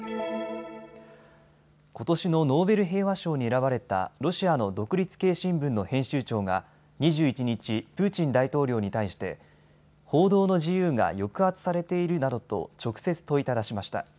ことしのノーベル平和賞に選ばれたロシアの独立系新聞の編集長が２１日、プーチン大統領に対して報道の自由が抑圧されているなどと直接、問いただしました。